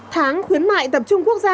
tháng khuyến mại tập trung quốc gia